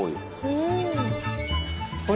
うん。